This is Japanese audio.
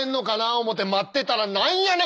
思て待ってたら何やねん？